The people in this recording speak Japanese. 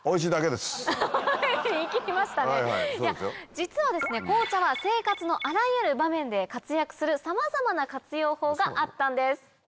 実は紅茶は生活のあらゆる場面で活躍するさまざまな活用法があったんです。